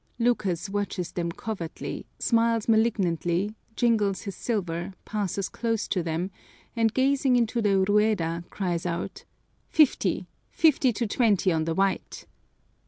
Lucas watches them covertly, smiles malignantly, jingles his silver, passes close to them, and gazing into the Rueda, cries out: "Fifty, fifty to twenty on the white!"